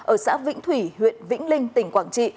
ở xã vĩnh thủy huyện vĩnh linh tỉnh quảng trị